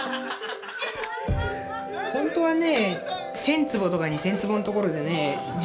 本当はね